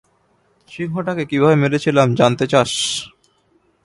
সিংহটাকে কীভাবে মেরেছিলাম জানতে চাস?